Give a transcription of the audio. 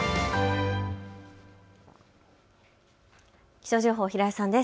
気象情報、平井さんです。